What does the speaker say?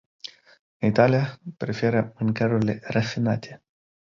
În Italia, preferă mâncărurile rafinate.